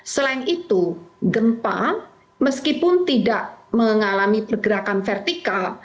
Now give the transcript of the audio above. selain itu gempa meskipun tidak mengalami pergerakan vertikal